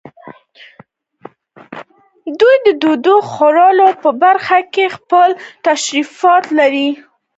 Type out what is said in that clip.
دوی د ډوډۍ خوړلو په برخه کې خپل تشریفات لرل.